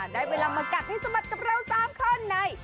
ได้เวลามากัดให้สะบัดกับเรา๓คนใน